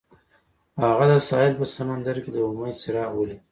هغه د ساحل په سمندر کې د امید څراغ ولید.